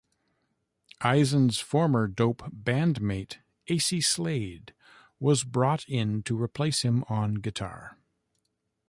Eisen's former Dope bandmate Acey Slade was brought in to replace him on guitar.